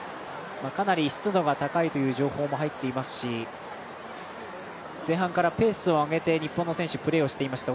かなり湿度が高いという情報も入っていますし前半からペースを上げて日本の選手プレーをしていました。